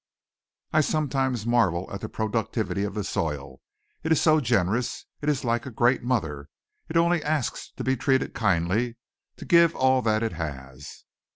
I sometimes marvel at the productivity of the soil. It is so generous. It is like a great mother. It only asks to be treated kindly to give all that it has."